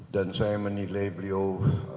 dan saya menilai beliau